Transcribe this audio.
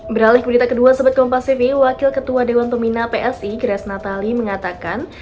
beralih ke berita kedua sobatkompastv wakil ketua dewan pemina psi grace natali mengatakan